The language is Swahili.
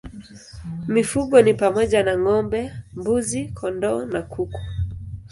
Mifugo ni pamoja na ng'ombe, mbuzi, kondoo na kuku.